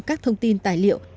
các thông tin tài liệu